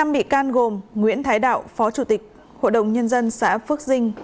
năm bị can gồm nguyễn thái đạo phó chủ tịch hội đồng nhân dân xã phước dinh